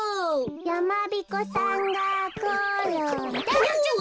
やまびこさんがころんだ！